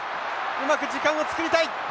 うまく時間を作りたい。